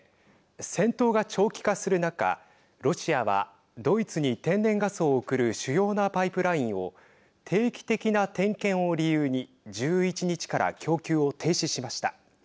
戦闘が長期化する中ロシアはドイツに天然ガスを送る主要なパイプラインを定期的な点検を理由に１１日から供給を停止しました。